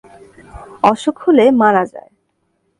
অসুখ হলে মারা যায়।